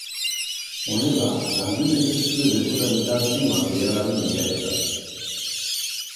Honela, langileek ez dute denborarik galtzen materialaren bilaketan.